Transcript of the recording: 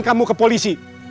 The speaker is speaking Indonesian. bukan kamu ke polisi